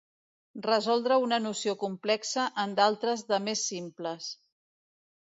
Resoldre una noció complexa en d'altres de més simples.